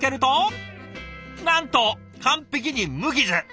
なんと完璧に無傷！